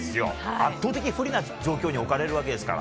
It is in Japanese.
圧倒的不利な状況に置かれますから。